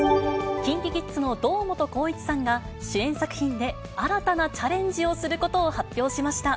ＫｉｎＫｉＫｉｄｓの堂本光一さんが、主演作品で新たなチャレンジをすることを発表しました。